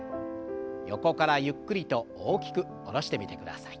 横からゆっくりと大きく下ろしてみてください。